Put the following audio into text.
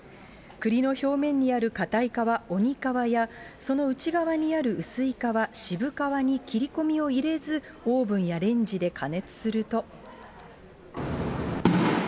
くりの表面にある堅い皮、鬼皮やその内側にある薄い皮、渋皮に切り込みを入れず、オーブンやレンジで加熱すると。